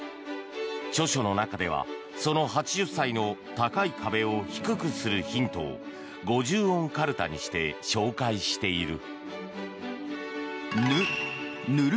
著書の中ではその８０歳の高い壁を低くするヒントを５０音カルタにして紹介している。